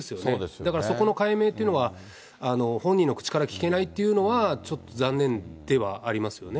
だからそこの解明っていうのは、本人の口から聞けないっていうのは、ちょっと残念ではありますよ